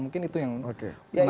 mungkin itu yang menarik untuk biasanya